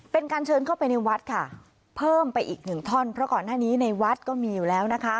เป็นการเชิญเข้าไปในวัดค่ะเพิ่มไปอีกหนึ่งท่อนเพราะก่อนหน้านี้ในวัดก็มีอยู่แล้วนะคะ